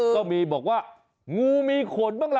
ก็บอกว่างูมีขนบ้างล่ะ